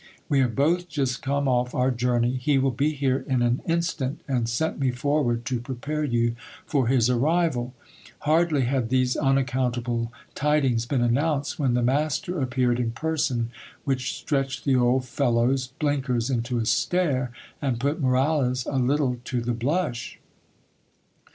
We have both just come off our journey : he will be here in an instant, and sent me forward to prepare you for his arrival. Hardly had these unaccountable tidings been announced, when the master appeared in person ; HISTORY OF DON RAPHAEL. which stretched the old fellow's blinkers into a stare, and put Moralez a little I to the blush.